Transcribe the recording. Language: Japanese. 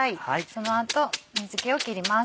その後水気を切ります。